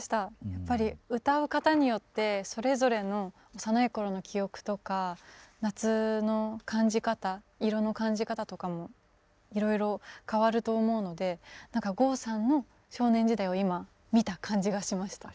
やっぱり歌う方によってそれぞれの幼い頃の記憶とか夏の感じ方色の感じ方とかもいろいろ変わると思うので何か郷さんの少年時代を今見た感じがしました。